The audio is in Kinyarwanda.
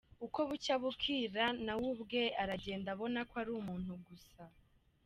Uko bucya bukira nawe ubwe aragenda abona ko ari umuntu gusa.